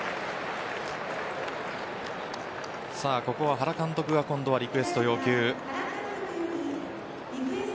ここは原監督が今度はリクエスト要求。